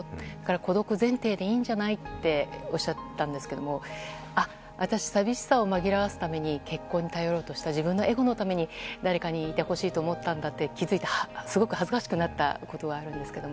孤独前提でいいんじゃない？とおっしゃったんですけど私、寂しさを紛らわすために結婚に頼ろうとした自分のエゴのために誰かにいてほしいんだと思ったんだと気づいて、すごく恥ずかしくなったことがあるんですが。